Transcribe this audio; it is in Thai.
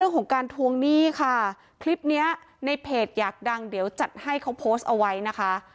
เรื่องของการทวงหนี้ค่ะคลิปเนี้ยในเพจอยากดังเดี๋ยวจัดให้เขาโพสต์เอาไว้นะคะ